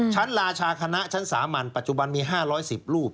ราชาคณะชั้นสามัญปัจจุบันมี๕๑๐รูป